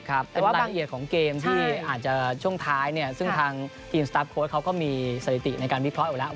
เป็นรายละเอียดของเกมที่อาจจะช่วงท้ายซึ่งทางทีมสตาร์ฟโค้ชเขาก็มีสถิติในการวิเคราะห์อยู่แล้ว